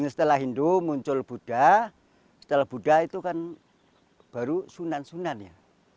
setelah hindu muncul buddha setelah buddha itu kan baru sunan sunan ya